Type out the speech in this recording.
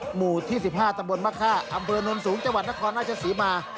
หมู่ที่๑๕ตำบลมะค่าอำเภอนวลสูงจังหวัดนครราชศรีมา